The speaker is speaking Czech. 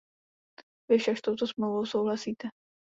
Vy však s touto smlouvou souhlasíte.